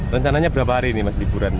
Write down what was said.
rencananya berapa hari ini mas liburan